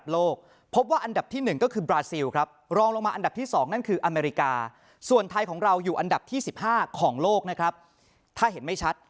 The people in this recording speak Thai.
ลองลงมาอันดับที่สองนั่นคืออเมริกาส่วนไทยของเราอยู่อันดับที่สิบห้าของโลกนะครับถ้าเห็นไม่ชัด